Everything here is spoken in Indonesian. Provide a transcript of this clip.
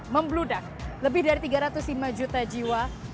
membludak lebih dari tiga ratus lima juta jiwa